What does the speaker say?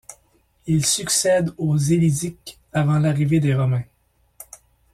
Ils succèdent aux Élysiques avant l’arrivée des Romains.